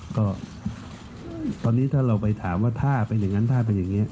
ก็ตอนนี้ถ้าเราไปถามว่าถ้าเป็นอย่างนั้นถ้าเป็นอย่างนี้